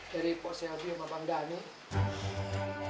dari pak sehadiah sama bang dhani